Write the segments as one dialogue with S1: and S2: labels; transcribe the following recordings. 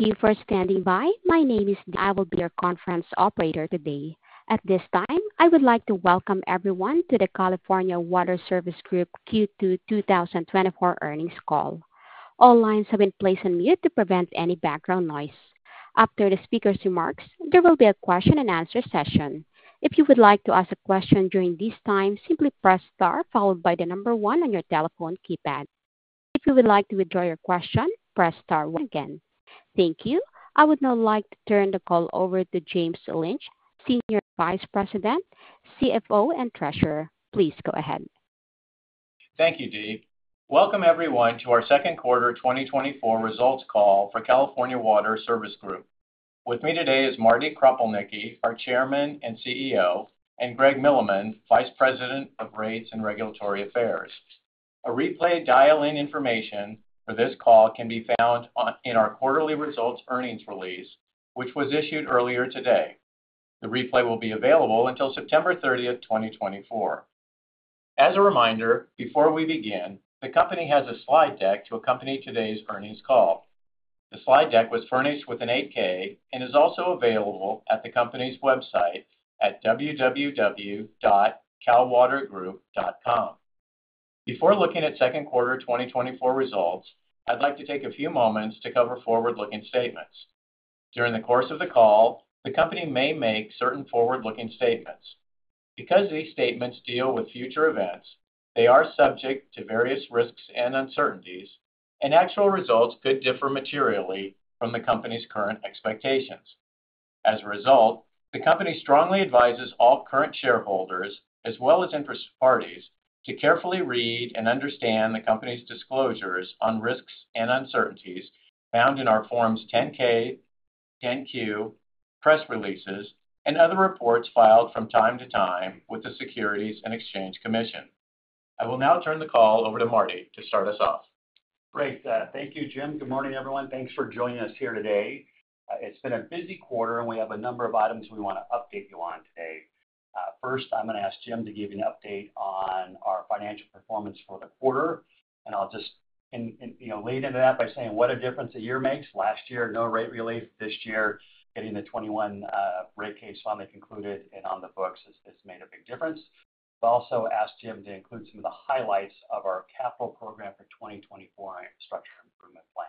S1: Thank you for standing by. My name is Dee, I will be your conference operator today. At this time, I would like to welcome everyone to the California Water Service Group Q2 2024 earnings call. All lines have been placed on mute to prevent any background noise. After the speaker's remarks, there will be a question and answer session. If you would like to ask a question during this time, simply press star followed by the number one on your telephone keypad. If you would like to withdraw your question, press star one again. Thank you. I would now like to turn the call over to James Lynch, Senior Vice President, CFO, and Treasurer. Please go ahead.
S2: Thank you, Dee. Welcome everyone to our second quarter 2024 results call for California Water Service Group. With me today is Martin Kropelnicki, our Chairman and CEO, and Greg Milliman, Vice President of Rates and Regulatory Affairs. A replay dial-in information for this call can be found in our quarterly results earnings release, which was issued earlier today. The replay will be available until September 30, 2024. As a reminder, before we begin, the company has a slide deck to accompany today's earnings call. The slide deck was furnished with an 8-K and is also available at the company's website at www.calwatergroup.com. Before looking at second quarter 2024 results, I'd like to take a few moments to cover forward-looking statements. During the course of the call, the company may make certain forward-looking statements. Because these statements deal with future events, they are subject to various risks and uncertainties, and actual results could differ materially from the company's current expectations. As a result, the company strongly advises all current shareholders, as well as interested parties, to carefully read and understand the company's disclosures on risks and uncertainties found in our Forms 10-K, 10-Q, press releases, and other reports filed from time to time with the Securities and Exchange Commission. I will now turn the call over to Marty to start us off.
S3: Great. Thank you, Jim. Good morning, everyone. Thanks for joining us here today. It's been a busy quarter, and we have a number of items we wanna update you on today. First, I'm gonna ask Jim to give you an update on our financial performance for the quarter, and I'll just, you know, lead into that by saying: What a difference a year makes! Last year, no rate relief. This year, getting the 2021 rate case finally concluded and on the books has made a big difference. I'll also ask Jim to include some of the highlights of our capital program for 2024 Infrastructure Improvement Plan.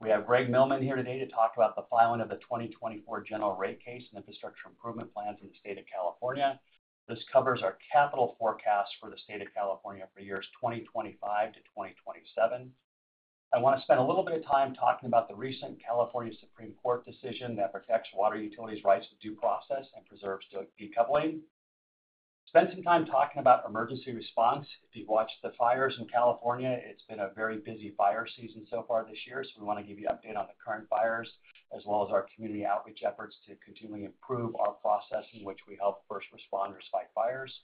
S3: We have Greg Milleman here today to talk about the filing of the 2024 general rate case and infrastructure improvement plans in the state of California. This covers our capital forecast for the state of California for years 2025 to 2027. I wanna spend a little bit of time talking about the recent California Supreme Court decision that protects water utilities' rights to due process and preserves decoupling. Spend some time talking about emergency response. If you've watched the fires in California, it's been a very busy fire season so far this year, so we wanna give you an update on the current fires, as well as our community outreach efforts to continually improve our process in which we help first responders fight fires.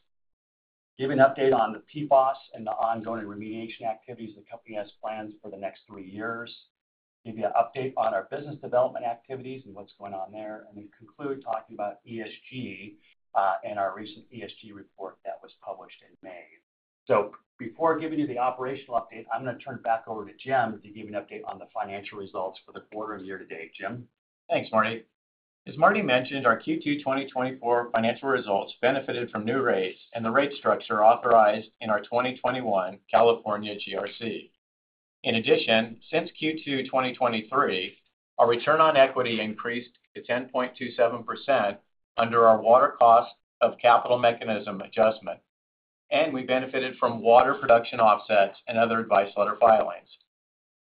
S3: Give an update on the PFAS and the ongoing remediation activities the company has planned for the next three years. Give you an update on our business development activities and what's going on there, and then conclude talking about ESG, and our recent ESG report that was published in May. So before giving you the operational update, I'm gonna turn it back over to Jim to give you an update on the financial results for the quarter and year to date. Jim?
S2: Thanks, Marty. As Marty mentioned, our Q2 2024 financial results benefited from new rates and the rate structure authorized in our 2021 California GRC. In addition, since Q2 2023, our return on equity increased to 10.27% under our water cost of capital mechanism adjustment, and we benefited from water production offsets and other advice letter filings.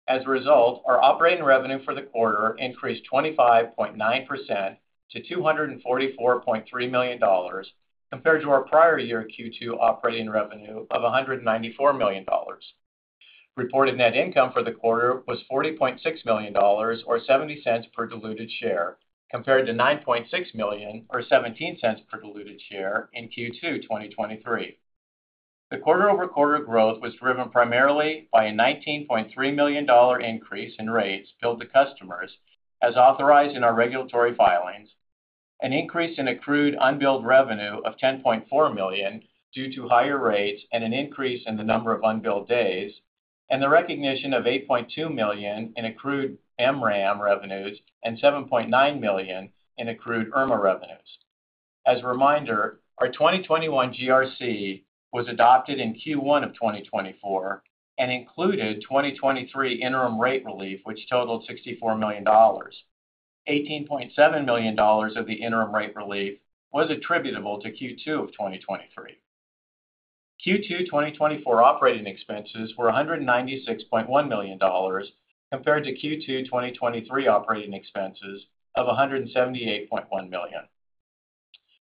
S2: As a result, our operating revenue for the quarter increased 25.9% to $244.3 million, compared to our prior year Q2 operating revenue of $194 million. Reported net income for the quarter was $40.6 million, or $0.70 per diluted share, compared to $9.6 million, or $0.17 per diluted share in Q2 2023. The quarter-over-quarter growth was driven primarily by a $19.3 million increase in rates billed to customers, as authorized in our regulatory filings, an increase in accrued unbilled revenue of $10.4 million due to higher rates and an increase in the number of unbilled days, and the recognition of $8.2 million in accrued MWRAM revenues and $7.9 million in accrued IRMA revenues. As a reminder, our 2021 GRC was adopted in Q1 of 2024 and included 2023 interim rate relief, which totaled $64 million. $18.7 million of the interim rate relief was attributable to Q2 of 2023. Q2 2024 operating expenses were $196.1 million, compared to Q2 2023 operating expenses of $178.1 million.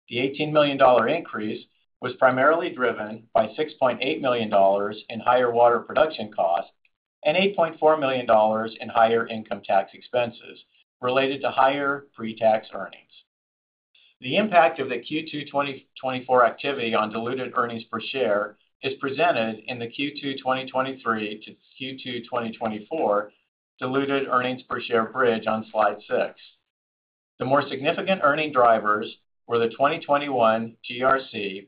S2: The $18 million increase was primarily driven by $6.8 million in higher water production costs and $8.4 million in higher income tax expenses, related to higher pre-tax earnings. The impact of the Q2 2024 activity on diluted earnings per share is presented in the Q2 2023 to Q2 2024 diluted earnings per share bridge on slide 6. The more significant earning drivers were the 2021 GRC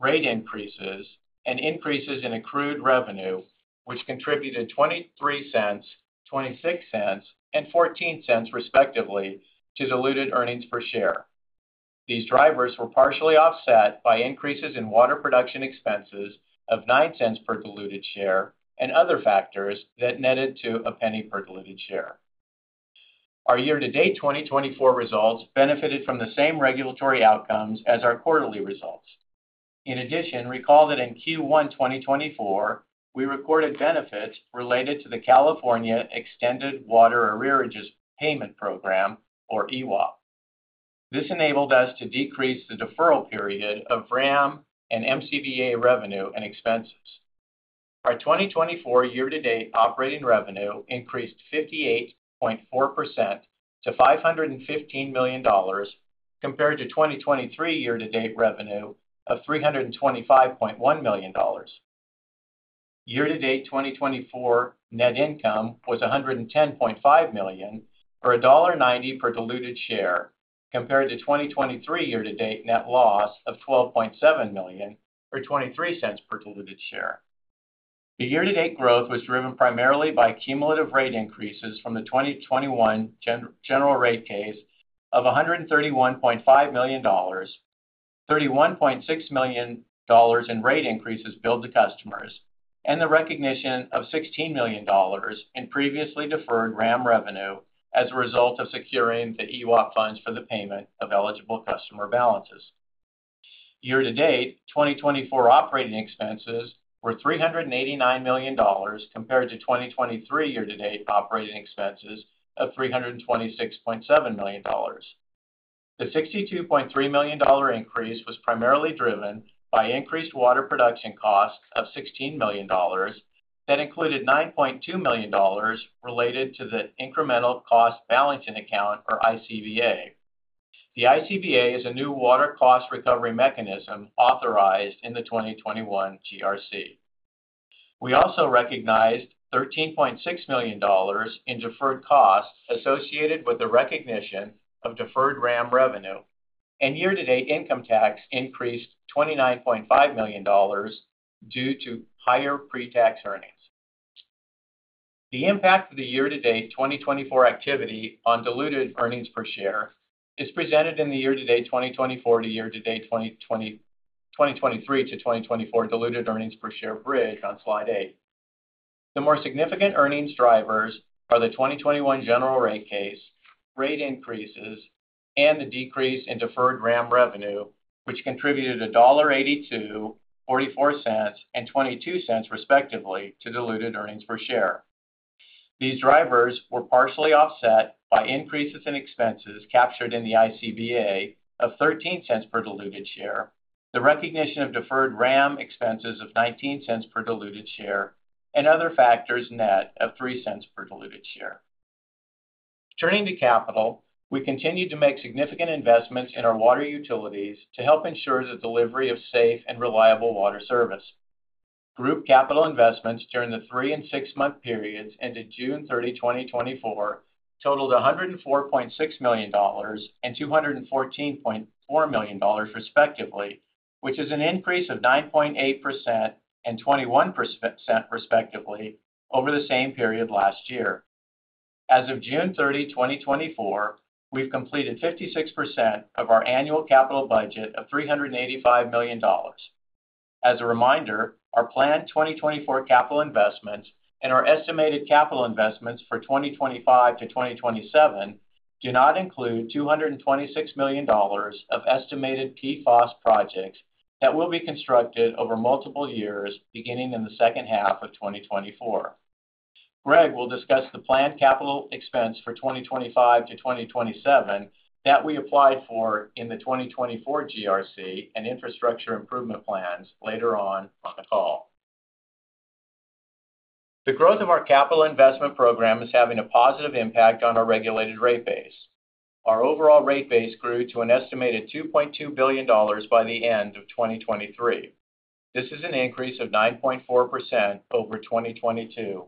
S2: rate increases and increases in accrued revenue, which contributed $0.23, $0.26, and $0.14, respectively, to diluted earnings per share. These drivers were partially offset by increases in water production expenses of $0.09 per diluted share and other factors that netted to $0.01 per diluted share. Our year-to-date 2024 results benefited from the same regulatory outcomes as our quarterly results. In addition, recall that in Q1 2024, we recorded benefits related to the California Extended Water Arrears Payment Program, or EWAPP. This enabled us to decrease the deferral period of WRAM and MCBA revenue and expenses. Our 2024 year-to-date operating revenue increased 58.4% to $515 million, compared to 2023 year-to-date revenue of $325.1 million. Year-to-date 2024 net income was $110.5 million, or $1.90 per diluted share, compared to 2023 year-to-date net loss of $12.7 million, or 23 cents per diluted share. The year-to-date growth was driven primarily by cumulative rate increases from the 2021 General Rate Case of $131.5 million, $31.6 million in rate increases billed to customers, and the recognition of $16 million in previously deferred WRAM revenue as a result of securing the EWAPP funds for the payment of eligible customer balances. Year-to-date, 2024 operating expenses were $389 million, compared to 2023 year-to-date operating expenses of $326.7 million. The $62.3 million increase was primarily driven by increased water production costs of $16 million. That included $9.2 million related to the Incremental Cost Balancing Account, or ICBA. The ICBA is a new water cost recovery mechanism authorized in the 2021 GRC. We also recognized $13.6 million in deferred costs associated with the recognition of deferred WRAM revenue, and year-to-date income tax increased $29.5 million due to higher pre-tax earnings. The impact of the year-to-date 2024 activity on diluted earnings per share is presented in the year-to-date 2020, 2023 to 2024 diluted earnings per share bridge on slide 8. The more significant earnings drivers are the 2021 general rate case, rate increases, and the decrease in deferred WRAM revenue, which contributed $0.82, $0.44, and $0.22, respectively, to diluted earnings per share. These drivers were partially offset by increases in expenses captured in the ICBA of 13 cents per diluted share, the recognition of deferred WRAM expenses of 19 cents per diluted share, and other factors net of 3 cents per diluted share. Turning to capital, we continued to make significant investments in our water utilities to help ensure the delivery of safe and reliable water service. Group capital investments during the three- and six-month periods ended June 30, 2024, totaled $104.6 million and $214.4 million, respectively, which is an increase of 9.8% and 21%, respectively, over the same period last year. As of June 30, 2024, we've completed 56% of our annual capital budget of $385 million. As a reminder, our planned 2024 capital investments and our estimated capital investments for 2025 to 2027 do not include $226 million of estimated PFAS projects that will be constructed over multiple years, beginning in the second half of 2024. Greg will discuss the planned capital expense for 2025-2027 that we applied for in the 2024 GRC and infrastructure improvement plans later on, on the call. The growth of our capital investment program is having a positive impact on our regulated rate base. Our overall rate base grew to an estimated $2.2 billion by the end of 2023. This is an increase of 9.4% over 2022.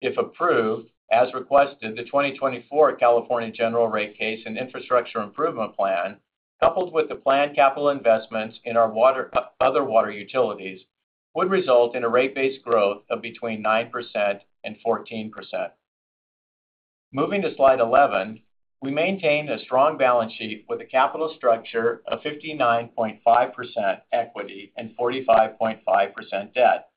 S2: If approved, as requested, the 2024 California General Rate Case and Infrastructure Improvement Plan, coupled with the planned capital investments in our water, other water utilities, would result in a rate base growth of between 9% and 14%. Moving to Slide 11, we maintained a strong balance sheet with a capital structure of 59.5% equity and 45.5% debt.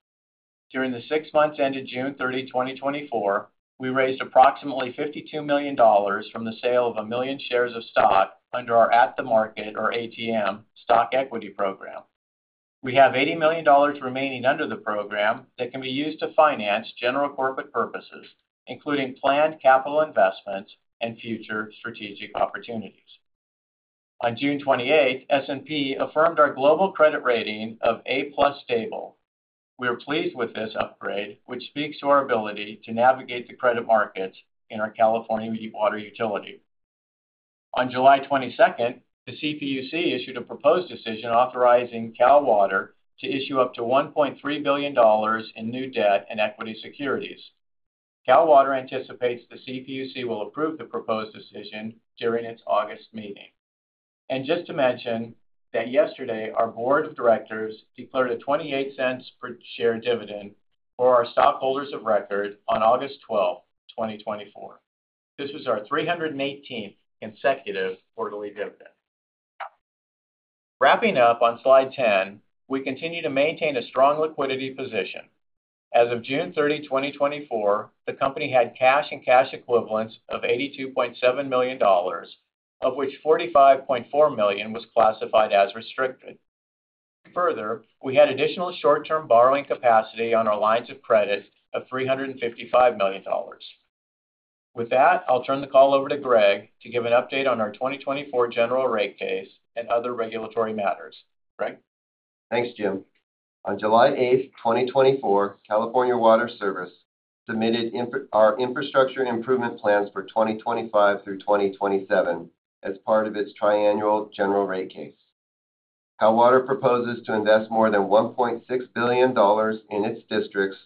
S2: During the six months ended June 30, 2024, we raised approximately $52 million from the sale of 1 million shares of stock under our At the Market, or ATM, stock equity program. We have $80 million remaining under the program that can be used to finance general corporate purposes, including planned capital investments and future strategic opportunities. On June 28, S&P affirmed our global credit rating of A+ stable. We are pleased with this upgrade, which speaks to our ability to navigate the credit markets in our California water utility. On July 22, the CPUC issued a proposed decision authorizing Cal Water to issue up to $1.3 billion in new debt and equity securities. Cal Water anticipates the CPUC will approve the proposed decision during its August meeting.... And just to mention that yesterday, our board of directors declared a $0.28 per share dividend for our stockholders of record on August 12, 2024. This was our 318th consecutive quarterly dividend. Wrapping up on slide 10, we continue to maintain a strong liquidity position. As of June 30, 2024, the company had cash and cash equivalents of $82.7 million, of which $45.4 million was classified as restricted. Further, we had additional short-term borrowing capacity on our lines of credit of $355 million. With that, I'll turn the call over to Greg to give an update on our 2024 general rate case and other regulatory matters. Greg?
S4: Thanks, Jim. On July 8, 2024, California Water Service submitted infrastructure improvement plans for 2025 through 2027 as part of its triannual general rate case. Cal Water proposes to invest more than $1.6 billion in its districts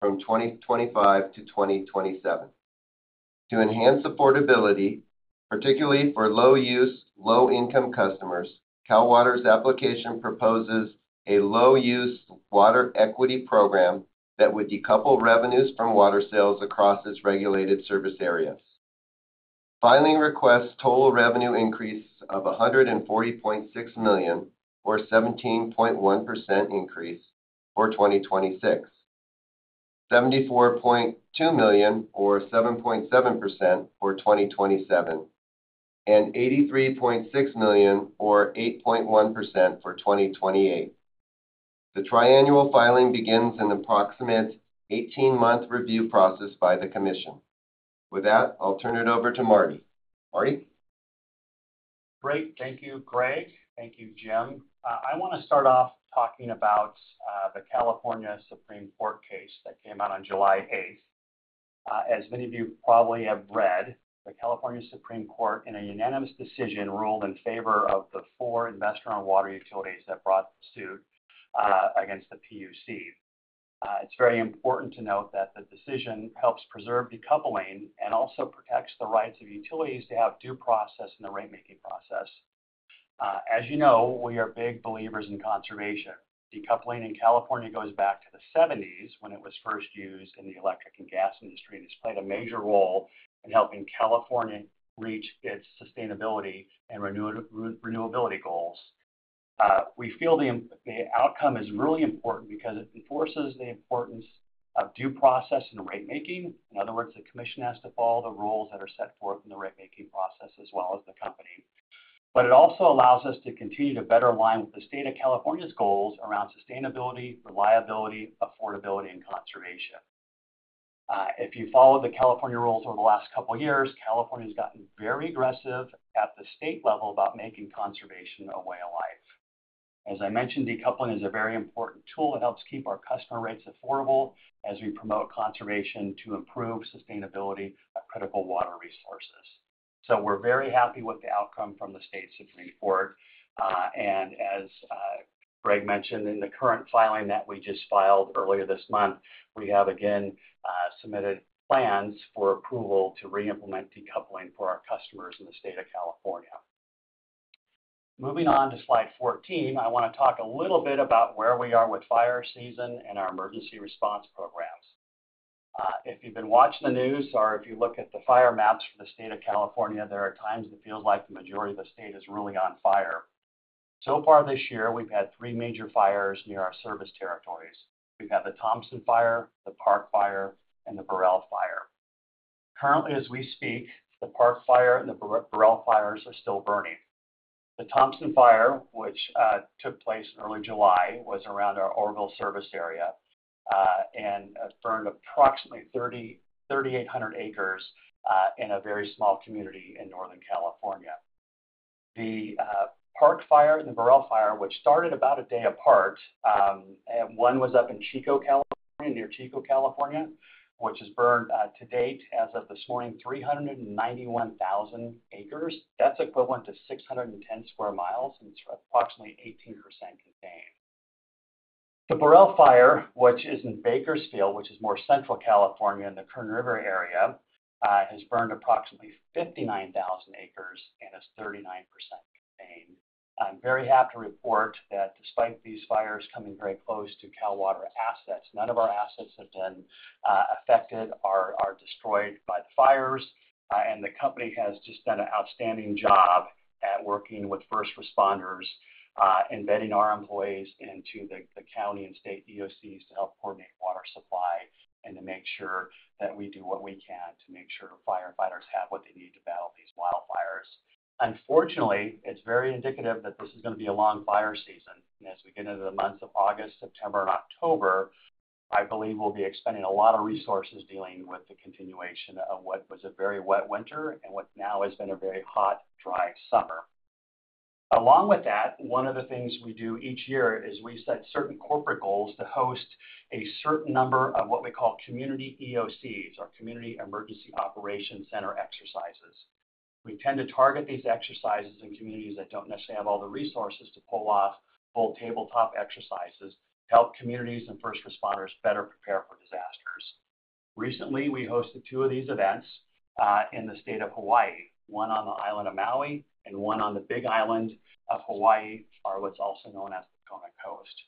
S4: from 2025 to 2027. To enhance affordability, particularly for low-use, low-income customers, Cal Water's application proposes a low-use water equity program that would decouple revenues from water sales across its regulated service areas. Filing requests total revenue increase of $140.6 million, or 17.1% increase for 2026, $74.2 million, or 7.7% for 2027, and $83.6 million, or 8.1% for 2028. The triannual filing begins an approximate 18-month review process by the commission. With that, I'll turn it over to Marty. Marty?
S3: Great. Thank you, Greg. Thank you, Jim. I wanna start off talking about the California Supreme Court case that came out on July 8th. As many of you probably have read, the California Supreme Court, in a unanimous decision, ruled in favor of the four investor-owned water utilities that brought the suit against the PUC. It's very important to note that the decision helps preserve decoupling and also protects the rights of utilities to have due process in the rate-making process. As you know, we are big believers in conservation. Decoupling in California goes back to the seventies, when it was first used in the electric and gas industry, and it's played a major role in helping California reach its sustainability and renewability goals. We feel the outcome is really important because it enforces the importance of due process in rate making. In other words, the commission has to follow the rules that are set forth in the rate-making process, as well as the company. It also allows us to continue to better align with the state of California's goals around sustainability, reliability, affordability, and conservation. If you followed the California rules over the last couple of years, California has gotten very aggressive at the state level about making conservation a way of life. As I mentioned, decoupling is a very important tool. It helps keep our customer rates affordable as we promote conservation to improve sustainability of critical water resources. So we're very happy with the outcome from the State Supreme Court. And as Greg mentioned in the current filing that we just filed earlier this month, we have again submitted plans for approval to re-implement decoupling for our customers in the state of California. Moving on to slide 14, I wanna talk a little bit about where we are with fire season and our emergency response programs. If you've been watching the news or if you look at the fire maps for the state of California, there are times it feels like the majority of the state is really on fire. So far this year, we've had 3 major fires near our service territories. We've had the Thompson Fire, the Park Fire, and the Borel Fire. Currently, as we speak, the Park Fire and the Borel Fires are still burning. The Thompson Fire, which took place in early July, was around our Oroville service area, and it burned approximately 3,300 acres in a very small community in Northern California. The Park Fire and the Borel Fire, which started about a day apart, and one was up in Chico, California, near Chico, California, which has burned to date, as of this morning, 391,000 acres. That's equivalent to 610 sq mi, and it's approximately 18% contained. The Borel Fire, which is in Bakersfield, which is more central California in the Kern River area, has burned approximately 59,000 acres and is 39% contained. I'm very happy to report that despite these fires coming very close to Cal Water assets, none of our assets have been, affected or, destroyed by the fires, and the company has just done an outstanding job at working with first responders, embedding our employees into the, the county and state EOCs to help coordinate water supply and to make sure that we do what we can to make sure firefighters have what they need to battle these wildfires. Unfortunately, it's very indicative that this is gonna be a long fire season. And as we get into the months of August, September, and October, I believe we'll be expending a lot of resources dealing with the continuation of what was a very wet winter and what now has been a very hot, dry summer. Along with that, one of the things we do each year is we set certain corporate goals to host a certain number of what we call community EOCs, our Community Emergency Operation Center exercises. We tend to target these exercises in communities that don't necessarily have all the resources to pull off full tabletop exercises, to help communities and first responders better prepare for disasters. Recently, we hosted 2 of these events in the state of Hawaii, one on the island of Maui and one on the Big Island of Hawaii, or what's also known as the Kona Coast.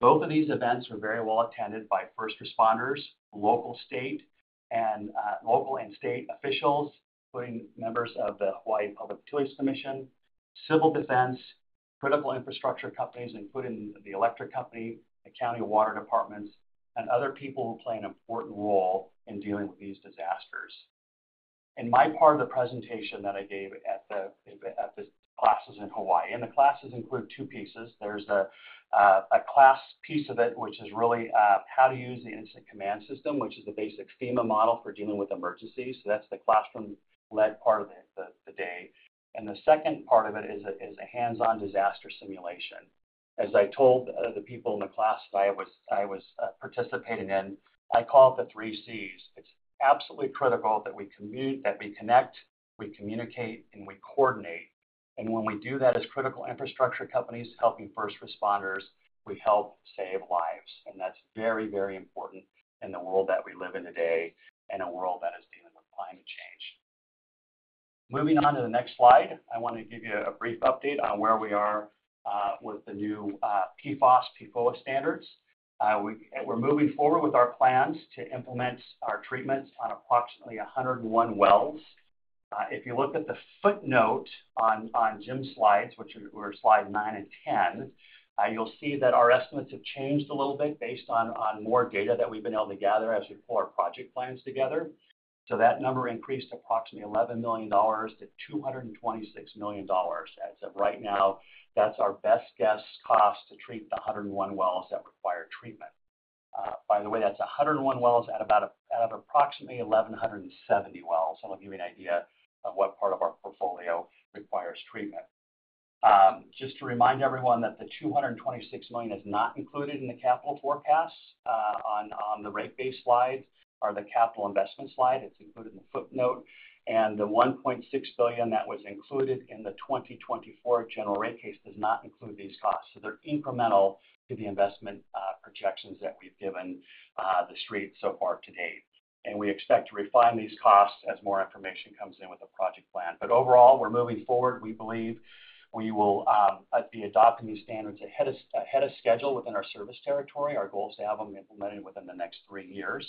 S3: Both of these events were very well attended by first responders, local, state, and local and state officials, including members of the Hawaii Public Utilities Commission, civil defense, critical infrastructure companies, including the electric company, the county water departments, and other people who play an important role in dealing with these disasters. In my part of the presentation that I gave at the classes in Hawaii, and the classes include two pieces. There's a class piece of it, which is really how to use the Incident Command System, which is the basic FEMA model for dealing with emergencies. So that's the classroom-led part of the day. And the second part of it is a hands-on disaster simulation. As I told the people in the class I was participating in, I call it the three Cs. It's absolutely critical that we connect, we communicate, and we coordinate. When we do that as critical infrastructure companies helping first responders, we help save lives, and that's very, very important in the world that we live in today, and a world that is dealing with climate change. Moving on to the next slide, I want to give you a brief update on where we are with the new PFAS PFOA standards. We're moving forward with our plans to implement our treatments on approximately 101 wells. If you look at the footnote on Jim's slides, which are slide 9 and 10, you'll see that our estimates have changed a little bit based on more data that we've been able to gather as we pull our project plans together. So that number increased approximately $11 million to $226 million. As of right now, that's our best guess cost to treat the 101 wells that require treatment. By the way, that's 101 wells out of approximately 1,170 wells. That'll give you an idea of what part of our portfolio requires treatment. Just to remind everyone that the $226 million is not included in the capital forecast, on the rate base slide or the capital investment slide. It's included in the footnote, and the $1.6 billion that was included in the 2024 general rate case does not include these costs, so they're incremental to the investment projections that we've given the street so far to date. We expect to refine these costs as more information comes in with the project plan. But overall, we're moving forward. We believe we will be adopting these standards ahead of schedule within our service territory. Our goal is to have them implemented within the next three years.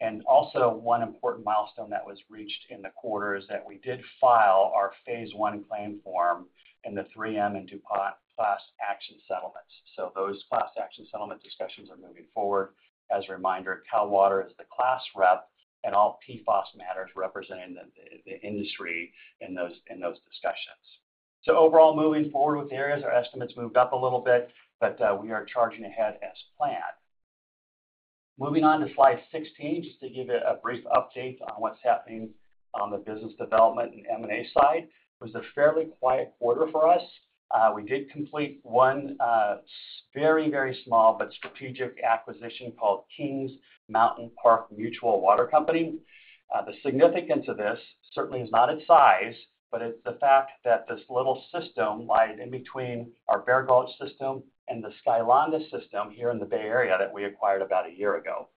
S3: And also one important milestone that was reached in the quarter is that we did file our phase one claim form in the 3M and DuPont class action settlements. So those class action settlement discussions are moving forward. As a reminder, Cal Water is the class rep in all PFAS matters representing the industry in those discussions. So overall, moving forward with the areas, our estimates moved up a little bit, but we are charging ahead as planned. Moving on to slide 16, just to give you a brief update on what's happening on the business development and M&A side. It was a fairly quiet quarter for us. We did complete one very, very small but strategic acquisition called Kings Mountain Park Mutual Water Company. The significance of this certainly is not its size, but it's the fact that this little system lies in between our Bear Gulch system and the Skyland system here in the Bay Area that we acquired about a year ago.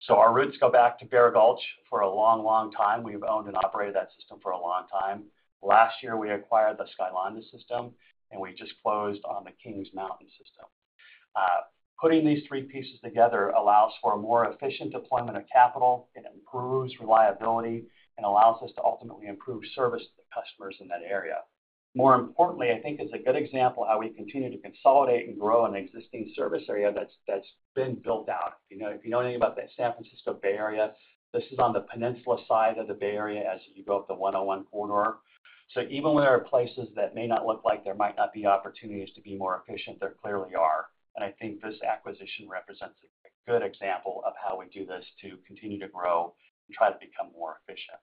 S3: So our roots go back to Bear Gulch for a long, long time. We've owned and operated that system for a long time. Last year, we acquired the Skyland system, and we just closed on the Kings Mountain system. Putting these three pieces together allows for a more efficient deployment of capital. It improves reliability and allows us to ultimately improve service to the customers in that area. More importantly, I think it's a good example of how we continue to consolidate and grow an existing service area that's, that's been built out. If you know, if you know anything about the San Francisco Bay Area, this is on the peninsula side of the Bay Area as you go up the 101 corridor. So even where there are places that may not look like there might not be opportunities to be more efficient, there clearly are. And I think this acquisition represents a good example of how we do this to continue to grow and try to become more efficient.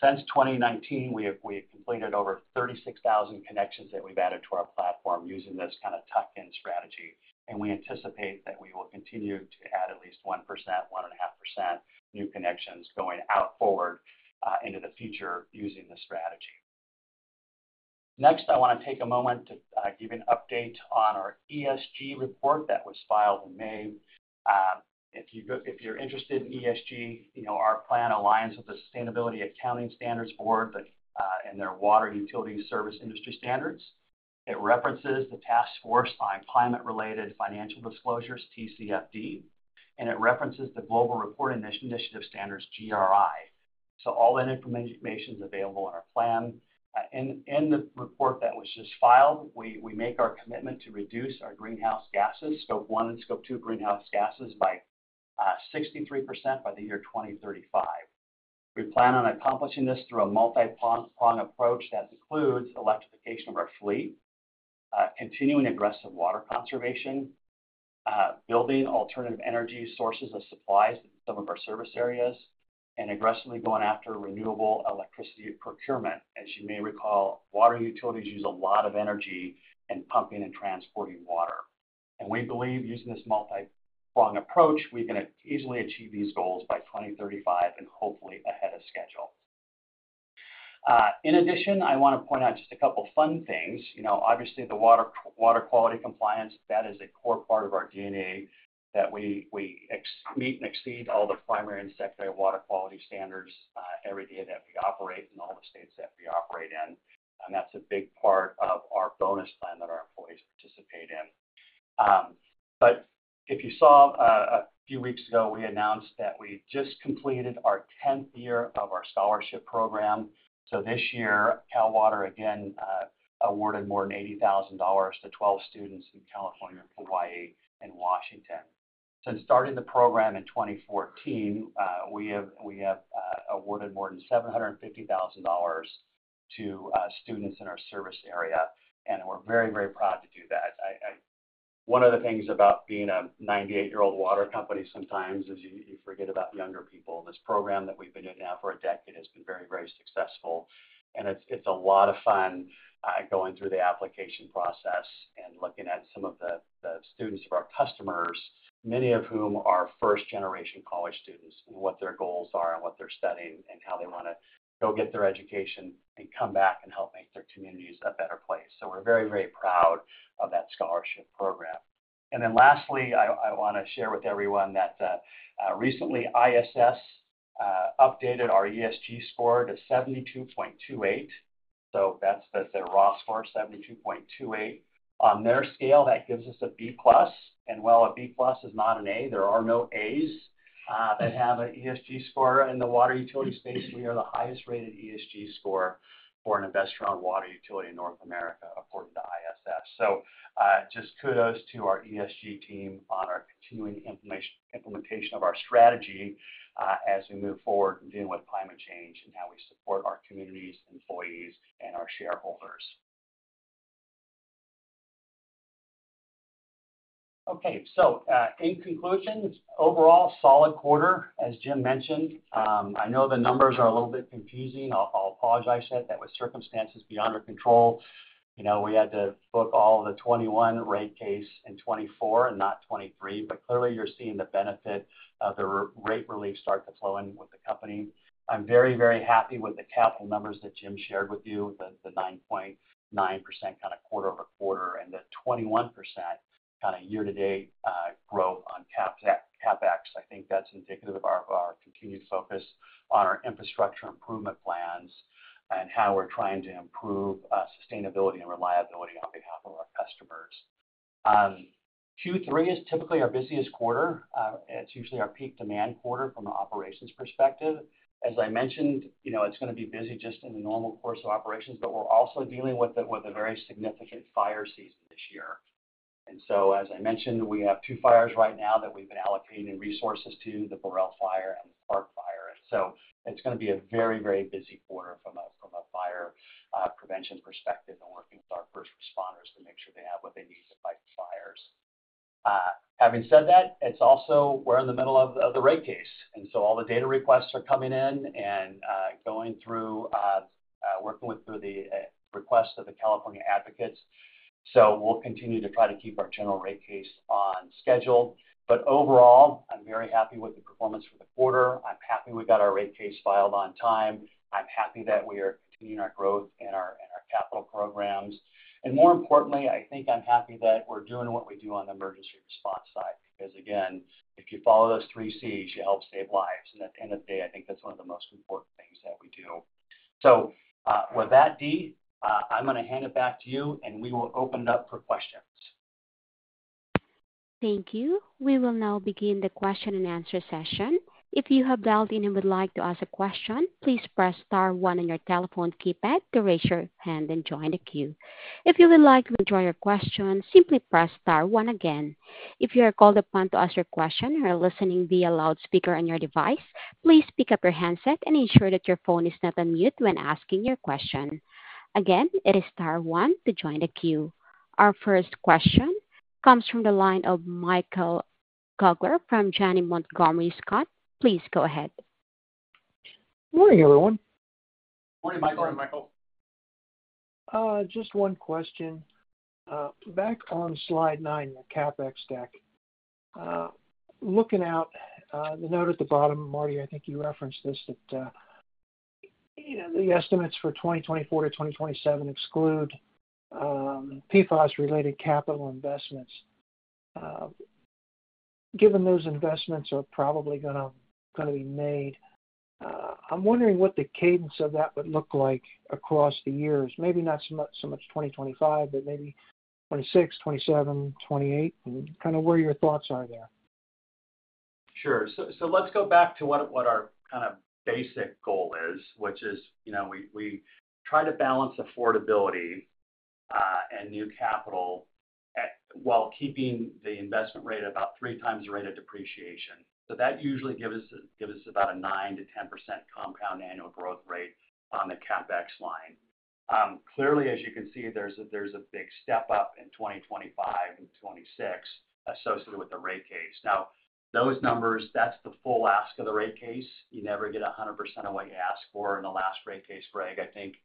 S3: Since 2019, we've completed over 36,000 connections that we've added to our platform using this kind of tuck-in strategy, and we anticipate that we will continue to add at least 1%, 1.5% new connections going out forward into the future using this strategy. Next, I want to take a moment to give an update on our ESG report that was filed in May. If you're interested in ESG, you know, our plan aligns with the Sustainability Accounting Standards Board, but, and their Water Utility Service Industry Standards. It references the task force on climate-related financial disclosures, TCFD, and it references the Global Reporting Initiative Standards, GRI. So all that information is available in our plan. In the report that was just filed, we make our commitment to reduce our greenhouse gases, scope one and scope two greenhouse gases, by 63% by the year 2035. We plan on accomplishing this through a multiprong approach that includes electrification of our fleet, continuing aggressive water conservation, building alternative energy sources of supplies to some of our service areas, and aggressively going after renewable electricity procurement. As you may recall, water utilities use a lot of energy in pumping and transporting water. And we believe using this multiprong approach, we can easily achieve these goals by 2035 and hopefully ahead of schedule. In addition, I want to point out just a couple of fun things. You know, obviously, the water, water quality compliance, that is a core part of our DNA, that we exceed all the primary and secondary water quality standards every day that we operate in all the states that we operate in. That's a big part of our bonus plan that our employees participate in. But if you saw a few weeks ago, we announced that we just completed our tenth year of our scholarship program. So this year, Cal Water again awarded more than $80,000 to 12 students in California, Hawaii, and Washington. Since starting the program in 2014, we have awarded more than $750,000 to students in our service area, and we're very, very proud to do that. One of the things about being a 98-year-old water company sometimes is you forget about younger people. This program that we've been in now for a decade has been very, very successful, and it's a lot of fun going through the application process and looking at some of the students of our customers, many of whom are first-generation college students, and what their goals are and what they're studying, and how they want to go get their education and come back and help make their communities a better place. So we're very, very proud of that scholarship program. And then lastly, I wanna share with everyone that recently ISS updated our ESG score to 72.28. So that's their raw score, 72.28. On their scale, that gives us a B plus, and while a B plus is not an A, there are no As that have a ESG score in the water utility space. We are the highest-rated ESG score for an investor-owned water utility in North America, according to ISS. So, just kudos to our ESG team on our continuing implementation of our strategy, as we move forward in dealing with climate change and how we support our communities, employees, and our shareholders. Okay, so, in conclusion, overall solid quarter, as Jim mentioned. I know the numbers are a little bit confusing. I'll, I'll apologize. I said that was circumstances beyond our control. You know, we had to book all the 2021 rate case in 2024 and not 2023, but clearly, you're seeing the benefit of the rate relief start to flow in with the company. I'm very, very happy with the capital numbers that Jim shared with you, the 9.9% kind of quarter-over-quarter, and the 21% kind of year-to-date growth on CapEx. I think that's indicative of our continued focus on our infrastructure improvement plans and how we're trying to improve sustainability and reliability on behalf of our customers. Q3 is typically our busiest quarter. It's usually our peak demand quarter from an operations perspective. As I mentioned, you know, it's gonna be busy just in the normal course of operations, but we're also dealing with a very significant fire season this year. So, as I mentioned, we have two fires right now that we've been allocating resources to, the Borel Fire and the Park Fire. So it's gonna be a very, very busy quarter from a fire prevention perspective and working with our first responders to make sure they have what they need to fight the fires. Having said that, it's also we're in the middle of the rate case, and so all the data requests are coming in and going through, working through the requests of the California advocates. So we'll continue to try to keep our general rate case on schedule. But overall, I'm very happy with the performance for the quarter. I'm happy we got our rate case filed on time. I'm happy that we are continuing our growth in our capital programs. More importantly, I think I'm happy that we're doing what we do on the emergency response side. Because, again, if you follow those three Cs, you help save lives. And at the end of the day, I think that's one of the most important things that we do. So, with that, Dee, I'm gonna hand it back to you, and we will open it up for questions.
S1: Thank you. We will now begin the question-and-answer session. If you have dialed in and would like to ask a question, please press star one on your telephone keypad to raise your hand and join the queue. If you would like to withdraw your question, simply press star one again. If you are called upon to ask your question or are listening via loudspeaker on your device, please pick up your handset and ensure that your phone is not on mute when asking your question. Again, it is star one to join the queue. Our first question comes from the line of Michael Gaugler from Janney Montgomery Scott. Please go ahead.
S5: Good morning, everyone.
S3: Good morning, Michael. Good morning, Michael.
S5: Just one question. Back on slide 9, the CapEx deck. Looking out, the note at the bottom, Marty, I think you referenced this, that, you know, the estimates for 2024 to 2027 exclude, PFAS-related capital investments. Given those investments are probably gonna be made, I'm wondering what the cadence of that would look like across the years. Maybe not so much, so much 2025, but maybe 2026, 2027, 2028, and kind of where your thoughts are there.
S3: Sure. So let's go back to what our kind of basic goal is, which is, you know, we try to balance affordability and new capital while keeping the investment rate about three times the rate of depreciation. So that usually give us about a 9%-10% compound annual growth rate on the CapEx line. Clearly, as you can see, there's a big step up in 2025 and 2026 associated with the rate case. Now, those numbers, that's the full ask of the rate case. You never get 100% of what you ask for in the last rate case, Greg, I think-...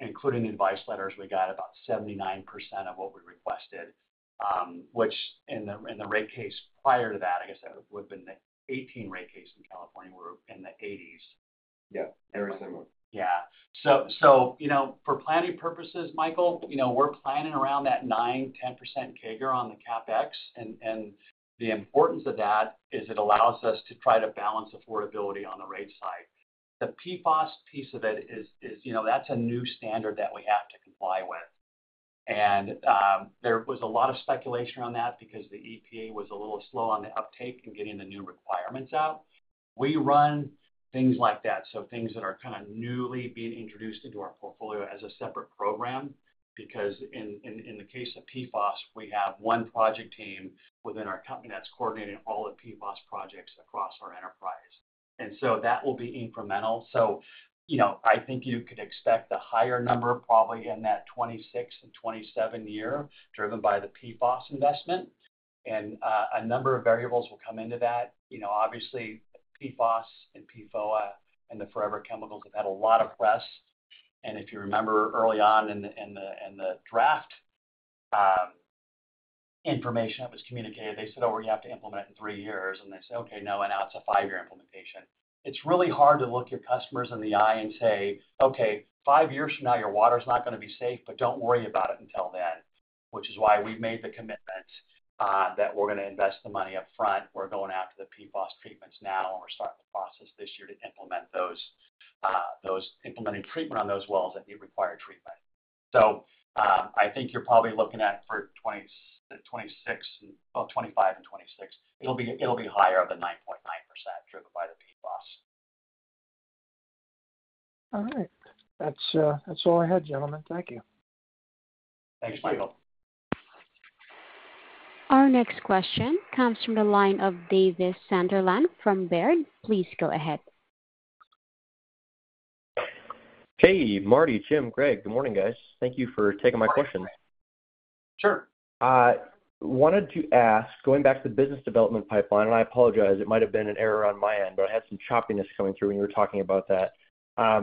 S3: including the advice letters, we got about 79% of what we requested, which in the rate case, prior to that, I guess that would have been the 2018 rate case in California, were in the 80s.
S4: Yeah, very similar.
S3: Yeah. So, you know, for planning purposes, Michael, you know, we're planning around that 9%-10% CAGR on the CapEx, and the importance of that is it allows us to try to balance affordability on the rate side. The PFAS piece of it is, you know, that's a new standard that we have to comply with. And there was a lot of speculation around that because the EPA was a little slow on the uptake in getting the new requirements out. We run things like that, so things that are kind of newly being introduced into our portfolio as a separate program, because in the case of PFAS, we have one project team within our company that's coordinating all the PFAS projects across our enterprise. And so that will be incremental. So, you know, I think you could expect a higher number probably in that 2026 and 2027 year, driven by the PFAS investment, and a number of variables will come into that. You know, obviously, PFAS and PFOA and the forever chemicals have had a lot of press. And if you remember early on in the draft, information that was communicated, they said, "Oh, well, you have to implement it in 3 years." And they said, "Okay, no, and now it's a 5-year implementation." It's really hard to look your customers in the eye and say, "Okay, 5 years from now, your water is not gonna be safe, but don't worry about it until then," which is why we've made the commitment that we're gonna invest the money upfront. We're going after the PFAS treatments now, and we're starting the process this year to implement those, implementing treatment on those wells that need required treatment. So, I think you're probably looking at for 2026, well, 2025 and 2026, it'll be higher than 9.9% driven by the PFAS.
S5: All right. That's, that's all I had, gentlemen. Thank you.
S3: Thanks, Michael.
S1: Our next question comes from the line of Davis Sunderland from Baird. Please go ahead.
S6: Hey, Marty, Jim, Greg, good morning, guys. Thank you for taking my question.
S3: Sure.
S6: Wanted to ask, going back to the business development pipeline, and I apologize, it might have been an error on my end, but I had some choppiness coming through when you were talking about that.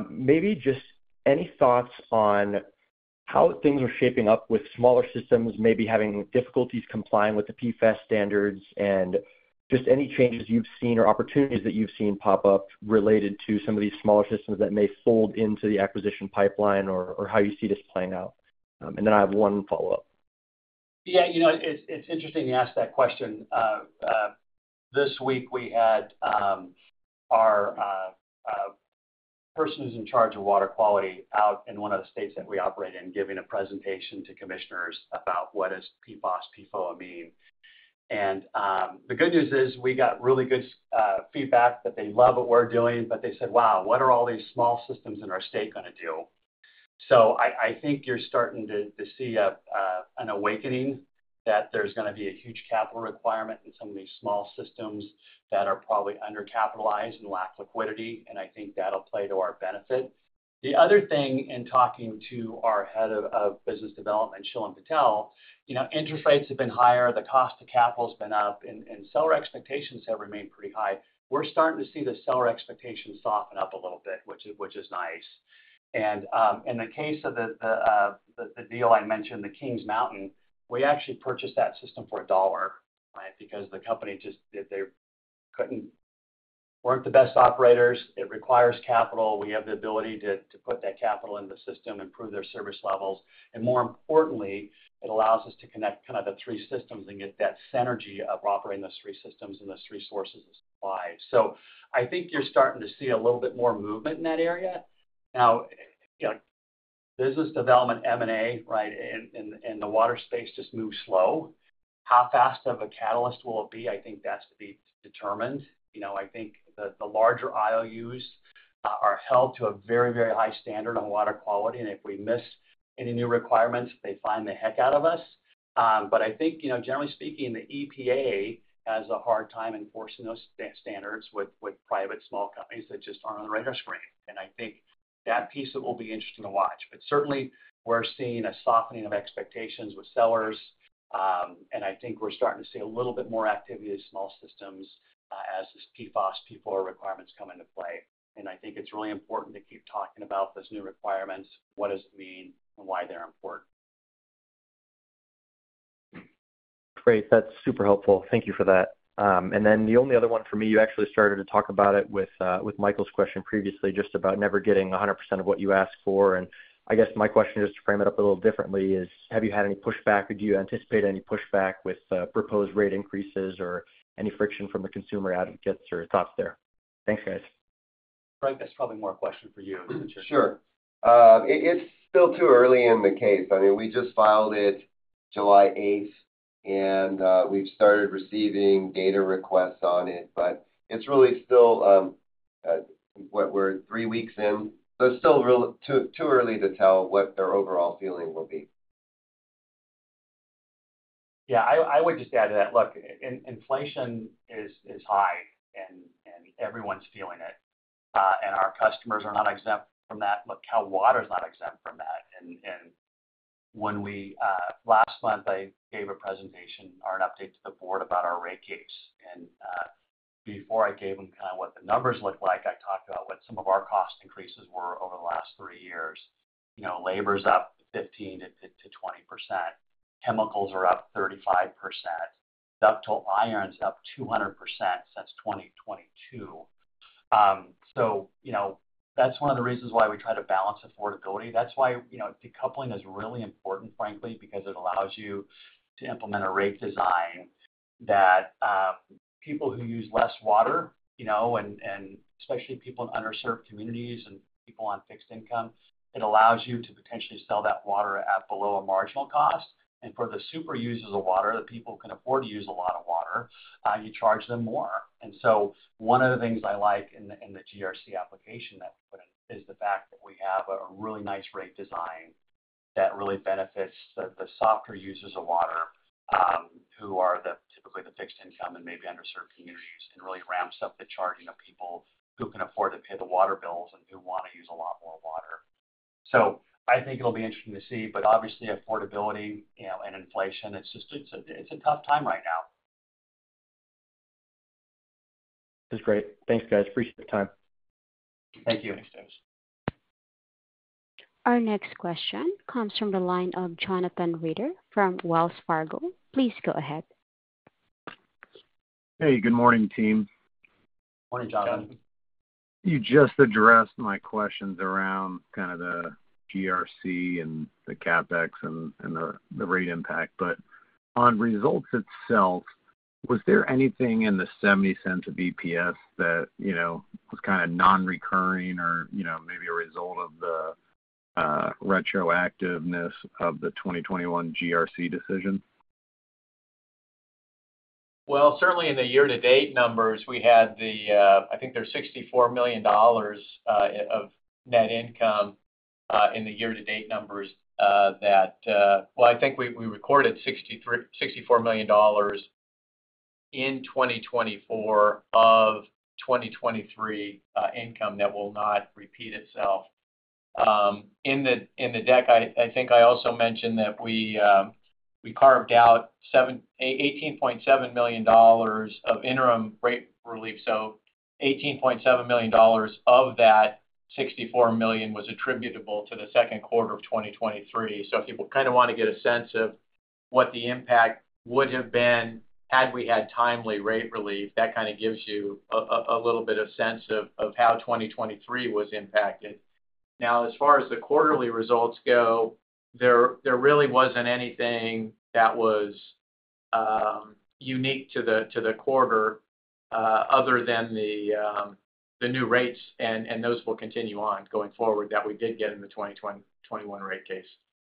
S6: Maybe just any thoughts on how things are shaping up with smaller systems, maybe having difficulties complying with the PFAS standards, and just any changes you've seen or opportunities that you've seen pop up related to some of these smaller systems that may fold into the acquisition pipeline or how you see this playing out? And then I have one follow-up.
S3: Yeah, you know, it's, it's interesting you ask that question. This week, we had our a person who's in charge of water quality out in one of the states that we operate in, giving a presentation to commissioners about what is PFAS, PFOA mean. And the good news is, we got really good feedback that they love what we're doing, but they said, "Wow, what are all these small systems in our state gonna do?" So I think you're starting to see an awakening that there's gonna be a huge capital requirement in some of these small systems that are probably undercapitalized and lack liquidity, and I think that'll play to our benefit. The other thing in talking to our head of business development, Shawn Patel, you know, interest rates have been higher, the cost of capital has been up, and seller expectations have remained pretty high. We're starting to see the seller expectations soften up a little bit, which is nice. And in the case of the deal I mentioned, the Kings Mountain, we actually purchased that system for $1, right? Because the company just they couldn't... weren't the best operators. It requires capital. We have the ability to put that capital in the system, improve their service levels, and more importantly, it allows us to connect kind of the three systems and get that synergy of operating those three systems and those three sources of supply. So I think you're starting to see a little bit more movement in that area. Now, you know, business development, M&A, right, in the water space, just moves slow. How fast of a catalyst will it be? I think that's to be determined. You know, I think the larger IOUs are held to a very, very high standard on water quality, and if we miss any new requirements, they fine the heck out of us. But I think, you know, generally speaking, the EPA has a hard time enforcing those standards with private small companies that just aren't on the radar screen. I think that piece it will be interesting to watch. But certainly, we're seeing a softening of expectations with sellers, and I think we're starting to see a little bit more activity in small systems, as these PFAS, PFOA requirements come into play. And I think it's really important to keep talking about those new requirements, what does it mean, and why they're important.
S6: Great. That's super helpful. Thank you for that. And then the only other one for me, you actually started to talk about it with with Michael's question previously, just about never getting one hundred percent of what you ask for. And I guess my question is, to frame it up a little differently, is, have you had any pushback or do you anticipate any pushback with proposed rate increases or any friction from the consumer advocates or your thoughts there? Thanks, guys.
S3: Frank, that's probably more a question for you.
S4: Sure. It's still too early in the case. I mean, we just filed it July eighth, and we've started receiving data requests on it, but it's really still what, we're three weeks in? So it's still too early to tell what their overall feeling will be.
S3: Yeah, I would just add to that. Look, inflation is high, and everyone's feeling it, and our customers are not exempt from that. Look, Cal Water is not exempt from that. And when we last month, I gave a presentation or an update to the board about our rate case, and...
S2: before I gave them kind of what the numbers looked like, I talked about what some of our cost increases were over the last three years. You know, labor's up 15%-20%. Chemicals are up 35%. Ductile iron's up 200% since 2022. So, you know, that's one of the reasons why we try to balance affordability. That's why, you know, decoupling is really important, frankly, because it allows you to implement a rate design that people who use less water, you know, and especially people in underserved communities and people on fixed income, it allows you to potentially sell that water at below a marginal cost. And for the super users of water, the people who can afford to use a lot of water, you charge them more. And so one of the things I like in the GRC application that we put in is the fact that we have a really nice rate design that really benefits the softer users of water who are typically the fixed income and maybe underserved communities and really ramps up the charging of people who can afford to pay the water bills and who want to use a lot more water. So I think it'll be interesting to see, but obviously affordability you know and inflation it's just a tough time right now.
S7: That's great. Thanks, guys. Appreciate the time.
S2: Thank you.
S1: Our next question comes from the line of Jonathan Reeder from Wells Fargo. Please go ahead.
S7: Hey, good morning, team.
S2: Morning, Jonathan.
S7: You just addressed my questions around kind of the GRC and the CapEx and the rate impact. But on results itself, was there anything in the $0.70 EPS that, you know, was kind of non-recurring or, you know, maybe a result of the retroactiveness of the 2021 GRC decision?
S2: Well, certainly in the year-to-date numbers, we had the, I think there's $64 million of net income in the year-to-date numbers, that, well, I think we recorded 64 million dollars in 2024 of 2023 income that will not repeat itself. In the deck, I think I also mentioned that we carved out 18.7 million dollars of interim rate relief. So $18.7 million of that $64 million was attributable to the second quarter of 2023. So if people kind of want to get a sense of what the impact would have been had we had timely rate relief, that kind of gives you a little bit of sense of how 2023 was impacted. Now, as far as the quarterly results go, there really wasn't anything that was unique to the quarter, other than the new rates, and those will continue on going forward, that we did get in the 2021 rate case.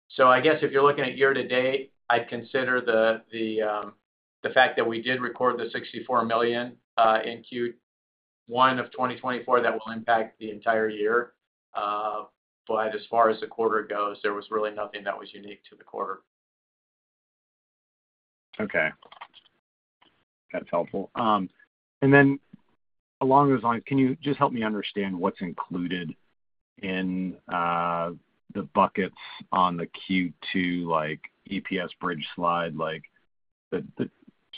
S2: So I guess if you're looking at year to date, I'd consider the fact that we did record the $64 million in Q1 of 2024, that will impact the entire year. But as far as the quarter goes, there was really nothing that was unique to the quarter.
S7: Okay. That's helpful. And then along those lines, can you just help me understand what's included in the buckets on the Q2, like, EPS bridge slide? Like,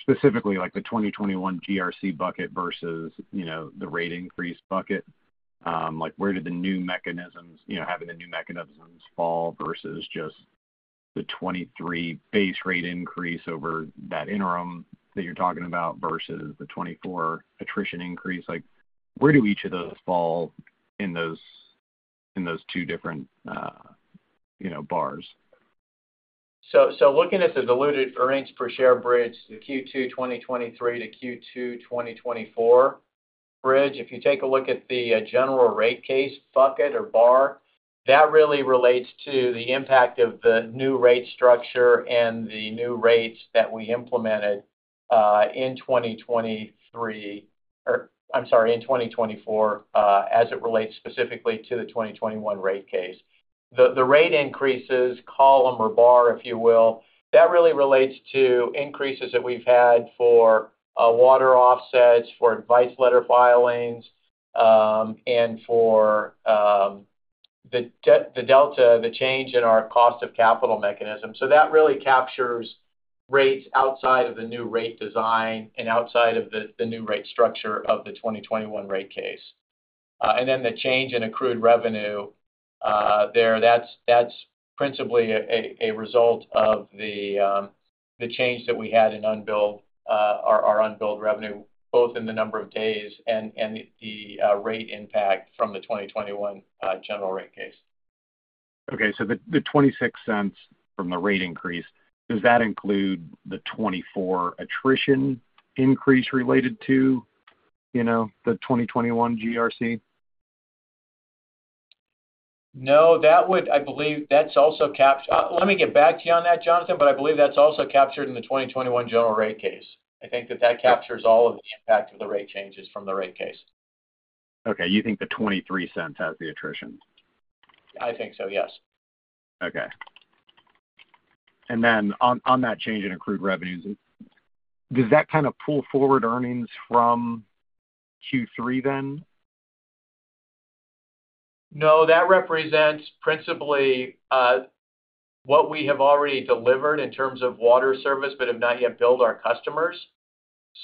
S7: specifically, like, the 2021 GRC bucket versus, you know, the rate increase bucket. Like, where did the new mechanisms, you know, having the new mechanisms fall versus just the 2023 base rate increase over that interim that you're talking about, versus the 2024 attrition increase? Like, where do each of those fall in those, in those two different, you know, bars?
S2: So, looking at the diluted earnings per share bridge, the Q2 2023 to Q2 2024 bridge, if you take a look at the General Rate Case bucket or bar, that really relates to the impact of the new rate structure and the new rates that we implemented in 2023, or I'm sorry, in 2024, as it relates specifically to the 2021 rate case. The rate increases column or bar, if you will, that really relates to increases that we've had for water offsets, for Advice Letter Filings, and for the delta, the change in our cost of capital mechanism. So that really captures rates outside of the new rate design and outside of the new rate structure of the 2021 rate case. And then the change in accrued revenue, that's principally a result of the change that we had in our unbilled revenue, both in the number of days and the rate impact from the 2021 General Rate Case.
S7: Okay, so the $0.26 from the rate increase, does that include the $0.24 attrition increase related to, you know, the 2021 GRC?
S2: No, that would. I believe that's also captured. Let me get back to you on that, Jonathan, but I believe that's also captured in the 2021 General Rate Case. I think that that captures all of the impact of the rate changes from the Rate Case.
S7: Okay. You think the $0.23 has the attrition?
S2: I think so, yes.
S7: Okay. And then on that change in accrued revenues, does that kind of pull forward earnings from Q3 then?
S2: ...No, that represents principally what we have already delivered in terms of water service, but have not yet billed our customers.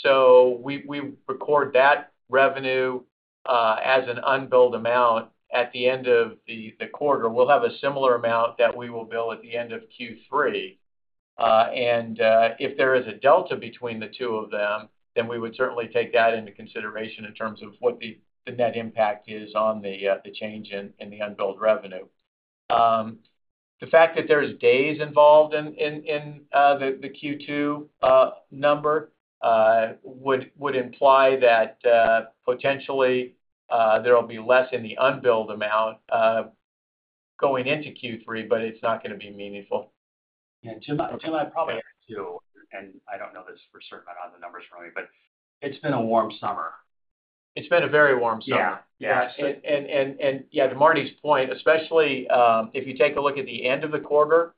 S2: So we record that revenue as an unbilled amount at the end of the quarter. We'll have a similar amount that we will bill at the end of Q3. And if there is a delta between the two of them, then we would certainly take that into consideration in terms of what the net impact is on the change in the unbilled revenue. The fact that there's days involved in the Q2 number would imply that potentially there will be less in the unbilled amount going into Q3, but it's not gonna be meaningful.
S3: Yeah. Jim, Jim, I probably too, and I don't know this for certain. I don't have the numbers for me, but it's been a warm summer.
S2: It's been a very warm summer.
S3: Yeah. Yeah.
S2: Yeah, to Marty's point, especially if you take a look at the end of the quarter,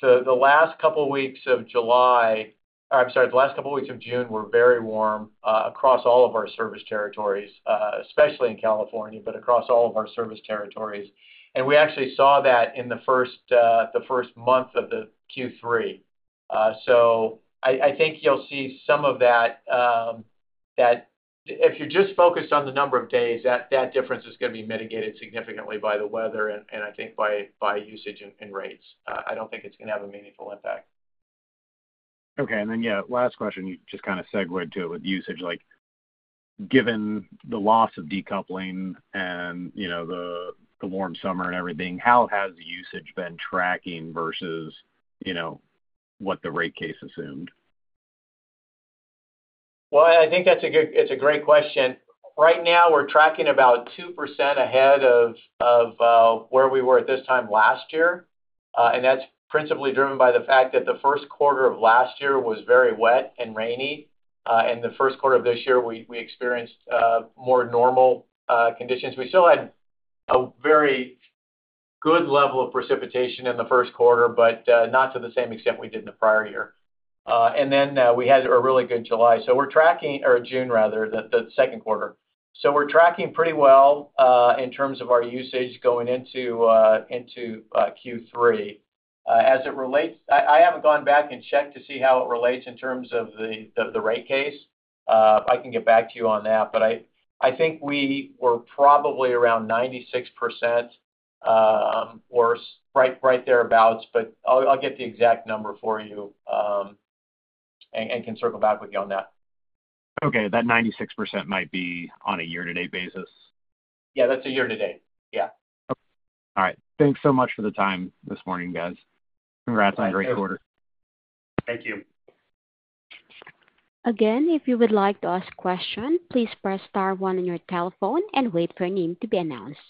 S2: the last couple weeks of July, I'm sorry, the last couple of weeks of June were very warm across all of our service territories, especially in California, but across all of our service territories. And we actually saw that in the first month of the Q3. So I think you'll see some of that if you're just focused on the number of days, that difference is gonna be mitigated significantly by the weather and I think by usage and rates. I don't think it's gonna have a meaningful impact.
S7: Okay, and then, yeah, last question, you just kinda segued to with usage, like, given the loss of decoupling and, you know, the warm summer and everything, how has the usage been tracking versus, you know, what the rate case assumed?
S2: Well, I think that's a good, it's a great question. Right now, we're tracking about 2% ahead of where we were at this time last year. And that's principally driven by the fact that the first quarter of last year was very wet and rainy. And the first quarter of this year, we experienced more normal conditions. We still had a very good level of precipitation in the first quarter, but not to the same extent we did in the prior year. And then we had a really good July, so we're tracking... Or June, rather, the second quarter. So we're tracking pretty well in terms of our usage going into Q3. As it relates, I haven't gone back and checked to see how it relates in terms of the rate case. I can get back to you on that, but I think we were probably around 96%, or right thereabouts, but I'll get the exact number for you, and can circle back with you on that.
S7: Okay, that 96% might be on a year-to-date basis?
S2: Yeah, that's a year to date. Yeah.
S7: All right. Thanks so much for the time this morning, guys. Congrats on a great quarter.
S2: Thank you.
S1: Again, if you would like to ask a question, please press star one on your telephone and wait for your name to be announced.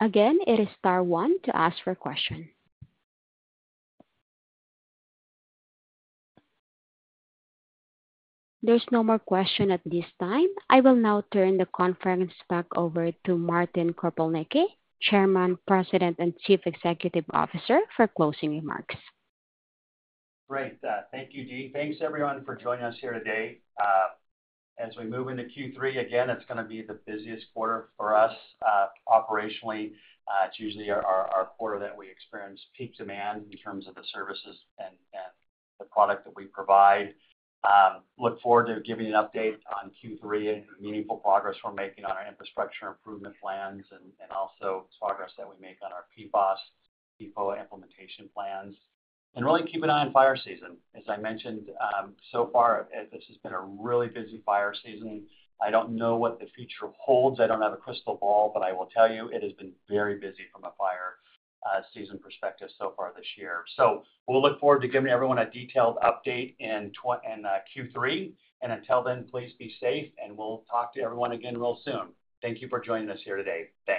S1: Again, it is star one to ask for a question. There's no more question at this time. I will now turn the conference back over to Martin Kropelnicki, Chairman, President, and Chief Executive Officer, for closing remarks.
S2: Great, thank you, Jean. Thanks, everyone, for joining us here today. As we move into Q3, again, it's gonna be the busiest quarter for us, operationally. It's usually our quarter that we experience peak demand in terms of the services and the product that we provide. Look forward to giving you an update on Q3 and the meaningful progress we're making on our infrastructure improvement plans, and also progress that we make on our PFOS, PFOA implementation plans. And really keep an eye on fire season. As I mentioned, so far, this has been a really busy fire season. I don't know what the future holds. I don't have a crystal ball, but I will tell you, it has been very busy from a fire season perspective so far this year. So we'll look forward to giving everyone a detailed update in Q3. And until then, please be safe, and we'll talk to everyone again real soon. Thank you for joining us here today. Thanks.